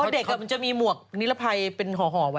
เด็กมันจะมีหมวกนิรภัยเป็นห่อไว้